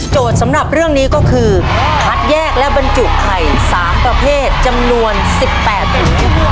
สำหรับเรื่องนี้ก็คือคัดแยกและบรรจุไข่๓ประเภทจำนวน๑๘ถุง